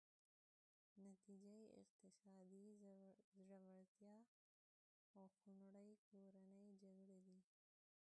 نتیجه یې اقتصادي ځوړتیا او خونړۍ کورنۍ جګړې دي.